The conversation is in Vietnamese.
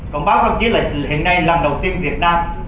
còn báo phát triển là hiện nay lần đầu tiên việt nam